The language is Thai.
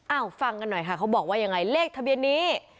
ฟังกันหน่อยค่ะเขาบอกว่ายังไงเลขทะเบียนนี้